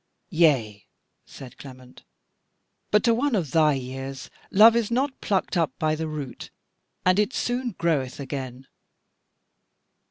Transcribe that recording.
"Yea," said Clement, "but to one of thy years love is not plucked up by the root, and it soon groweth again."